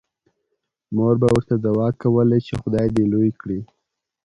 مور به ورته دعاوې کولې چې خدای دې لوی کړي